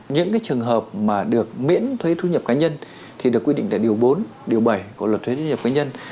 những cái trường hợp mà được miễn thuế thu nhập cá nhân thì được quyết định tại điều bốn điều bảy của luật thuế thu nhập cá nhân